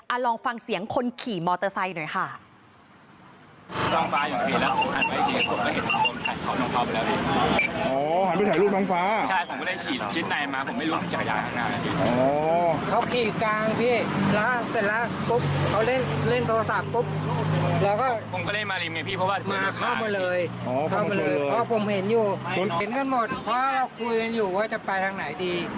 ลองฟังเสียงคนขี่มอเตอร์ไซค์หน่อยค่ะ